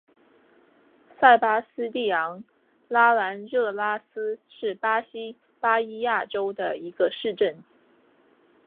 塞巴斯蒂昂拉兰热拉斯是巴西巴伊亚州的一个市镇。